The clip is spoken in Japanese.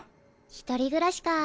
１人暮らしか。